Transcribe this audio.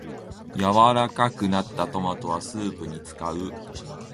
柔らかくなったトマトはスープに使う